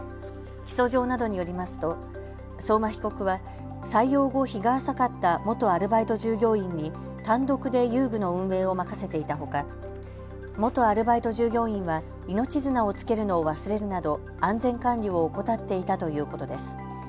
起訴状などによりますと相馬被告は採用後、日が浅かった元アルバイト従業員に単独で遊具の運営を任せていたほか元アルバイト従業員は命綱をつけるのを忘れるなど安全管理を怠っていたということです。